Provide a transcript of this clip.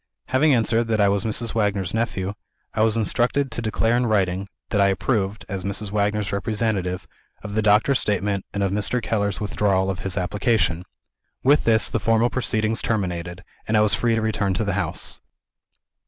Having answered that I was Mrs. Wagner's nephew, I was instructed to declare in writing, that I approved (as Mrs. Wagner's representative) of the doctor's statement and of Mr. Keller's withdrawal of his application. With this, the formal proceedings terminated, and I was free to return to the house.